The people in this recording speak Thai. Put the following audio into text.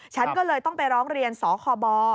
ฉันก็เลยต้องไปร้องเรียนสคบ